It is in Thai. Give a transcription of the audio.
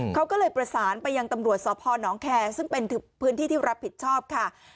เขาก็เลยประสานไปยังตำรวจสพนแคร์ซึ่งเป็นพื้นที่ที่รับผิดชอบค่ะ